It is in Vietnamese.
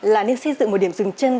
là nên xây dựng một điểm dừng chân